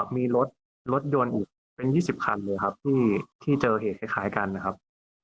มีรถยนต์อีกเป็น๒๐คันเลยครับที่เจอเหตุคล้ายกันนะครับ